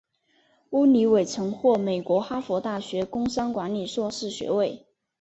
乌里韦曾获美国哈佛大学工商管理硕士学位。